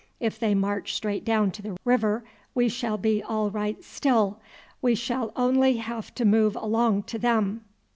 "If they march straight down to the river we shall be all right still. We shall only have to move along to them.